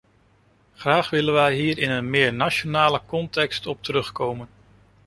Graag willen wij hier in een meer nationale context op terugkomen.